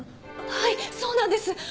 はいそうなんです！